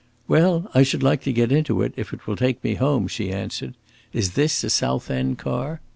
"Well, I should like to get into it, if it will take me home," she answered. "Is this a South End car?"